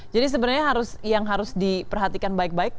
jadi sebenarnya yang harus diperhatikan baik baik